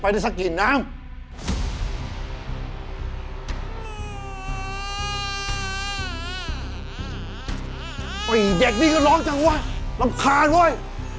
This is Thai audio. เด็กนี่ก็ร้องจังวะรำคาญเว้ย